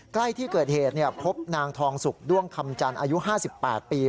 ใกล้ที่เกิดเหตุพบนางทองสุกด้วงคำจันทร์อายุ๕๘ปี